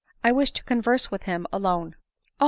— I wish to converse with him alone." " Oh